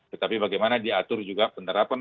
tetapi bagaimana diatur juga penerapan